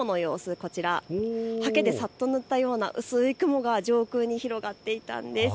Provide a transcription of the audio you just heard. こちら、ハケでさっと塗ったような雲が上空に広がっていたんです。